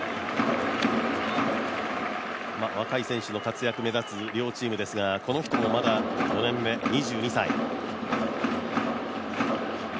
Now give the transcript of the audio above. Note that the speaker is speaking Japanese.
若い選手の活躍が目立つ両チームですがこの人もまだ５年目、２２歳。